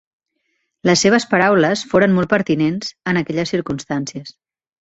Les seves paraules foren molt pertinents, en aquelles circumstàncies.